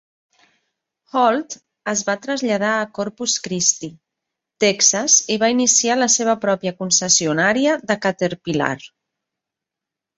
Holt es va traslladar a Corpus Christi, Texas i va iniciar la seva pròpia concessionària de Caterpillar.